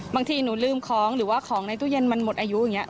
บางทีหนูลืมของหรือว่าของในตู้เย็นมันหมดอายุอย่างนี้